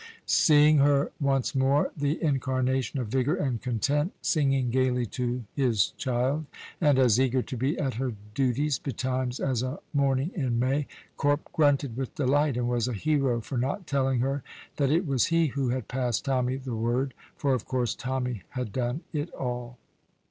Seeing her once more the incarnation of vigor and content, singing gaily to his child, and as eager to be at her duties betimes as a morning in May, Corp grunted with delight, and was a hero for not telling her that it was he who had passed Tommy the word. For, of course, Tommy had done it all.